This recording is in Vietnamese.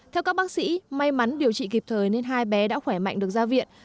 theo các bác sĩ may mắn điều trị kịp thời nên hai bé đã khỏe mạnh được ra viện